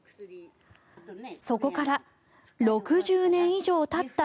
そこから６０年以上たった